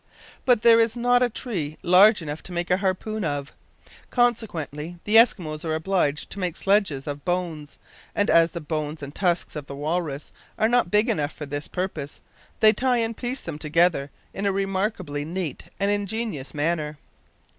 But there is not a tree large enough to make a harpoon of. Consequently the Eskimos are obliged to make sledges of bones; and as the bones and tusks of the walrus are not big enough for this purpose, they tie and piece them together in a remarkably neat and ingenious manner.